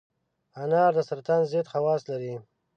انار د سرطان ضد خواص لري.